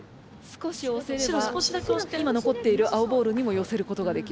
少し押せれば今のこっている青ボールにもよせることができる。